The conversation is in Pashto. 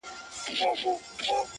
که څه کم و که بالابود و ستا په نوم و;